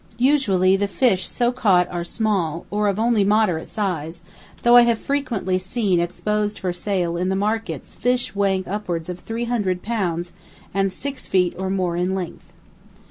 Usually the fish so caught are small, or of only moderate size, though I have frequently seen exposed for sale in the markets fish weighing upwards of 300 pounds and 6 feet or more in length.